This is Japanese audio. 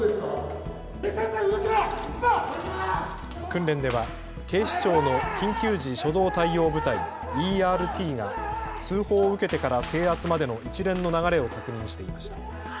訓練では警視庁の緊急時初動対応部隊・ＥＲＴが通報を受けてから制圧までの一連の流れを確認していました。